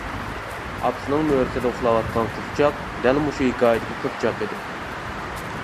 ئاپىسىنىڭ مۈرىسىدە ئۇخلاۋاتقان قىزچاق دەل مۇشۇ ھېكايىدىكى قىزچاق ئىدى.